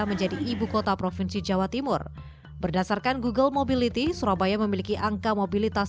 menjadi ibu kota provinsi jawa timur berdasarkan google mobility surabaya memiliki angka mobilitas